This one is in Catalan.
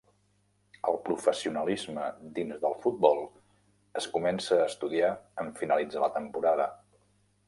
El professionalisme dins del futbol es comença a estudiar en finalitzar la temporada.